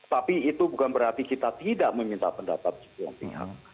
tapi itu bukan berarti kita tidak meminta pendapat semua pihak